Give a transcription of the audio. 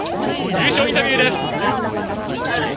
優勝インタビューです。